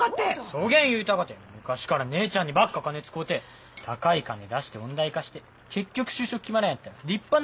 そげん言うたかて昔から姉ちゃんにばっか金使うて高い金出して音大行かせて結局就職決まらんやったら立派な「不良債権」やなかね。